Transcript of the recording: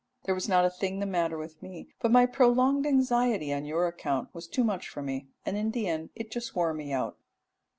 There was not a thing the matter with me, but my prolonged anxiety on your account was too much for me, and in the end it just wore me out.'"